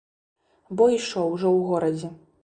Бой ішоў ужо ў горадзе.